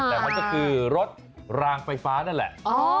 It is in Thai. แต่มันก็คือรถรางไฟฟ้านั่นแหละ